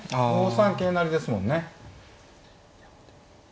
５三桂成ですもんね。